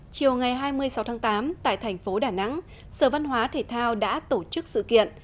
chiều ngày hai mươi sáu tháng tám tại thành phố đà nẵng sở văn hóa thể thao đã tổ chức sự kiện